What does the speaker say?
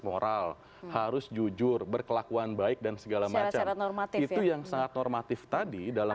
moral harus jujur berkelakuan baik dan segala macam normatif itu yang sangat normatif tadi dalam